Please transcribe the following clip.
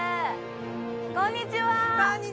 こんにちは。